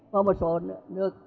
hoặc một số nước